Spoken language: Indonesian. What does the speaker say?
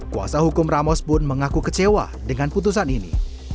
kuasa hukum ramos pun mengaku kecewa dengan putusan ini